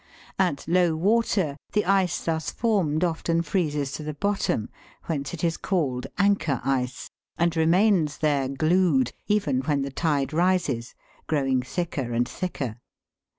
At low water the ice thus formed often freezes to the bottom, whence it is 76 THE WORLDS LUMBER ROOM. called " anchor " ice, and remains there glued even when the tide rises, growing thicker and thicker.